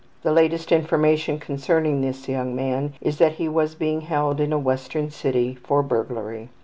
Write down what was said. The latest information concerning this young man is that he was being held in a Western city for burglary.